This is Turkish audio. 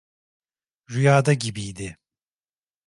Rüyada gibiydi…